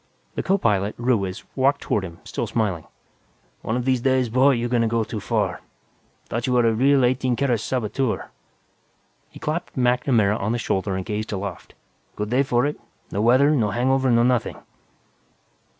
The co pilot, Ruiz, walked toward him, still smiling. "One of these days, boy, you gonna go too far. Thought you were a real, eighteen carat saboteur." He clapped MacNamara on the shoulder and gazed aloft. "Good day for it. No weather, no hangover, no nothing."